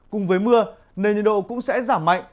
cùng với mưa nền nhiệt độ cũng sẽ giảm mạnh